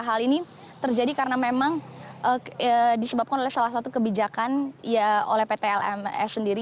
hal ini terjadi karena memang disebabkan oleh salah satu kebijakan oleh pt lms sendiri